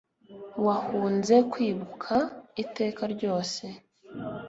Wahunze kwibuka iteka ryose